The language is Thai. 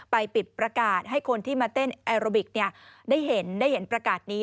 ไปปิดประกาศให้คนที่มาเต้นแอโรบิกได้เห็นได้เห็นประกาศนี้